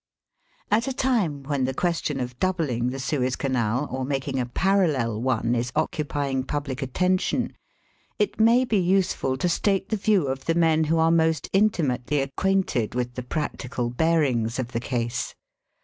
At a time when the question of doubling the Suez Canal or making a parallel one is occupying pubUc attention, it may be useful to state the view of the men who are most intimately acquainted with the practical bear ings of the case.